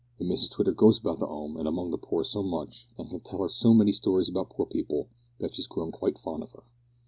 And Mrs Twitter goes about the 'Ome, and among the poor so much, and can tell her so many stories about poor people, that she's grown quite fond of her."